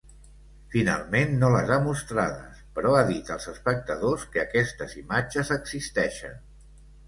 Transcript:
Finalment no les ha mostrades, però ha dit als espectadors que aquestes imatges existeixen.